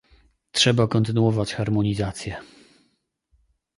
Trzeba kontynuować harmonizację